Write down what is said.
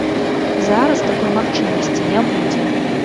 Зараз такой магчымасці не будзе.